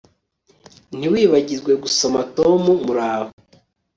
Ntiwibagirwe gusoma Tom muraho